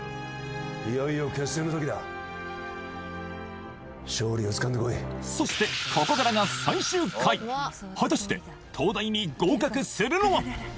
いよいよ決戦の時だ勝利をつかんでこいそしてここからが最終回果たして東大に合格するのは！？